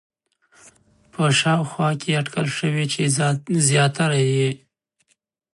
په شاوخوا کې اټکل شوی چې زیاتره یې